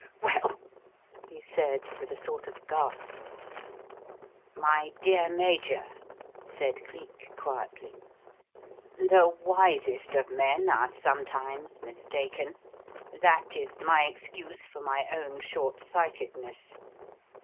"Well?" he said with a sort of gasp. "My dear Major," said Cleek quietly. "The wisest of men are sometimes mistaken that is my excuse for my own short sightedness.